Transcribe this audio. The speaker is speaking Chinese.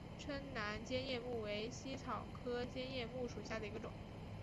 滇南尖叶木为茜草科尖叶木属下的一个种。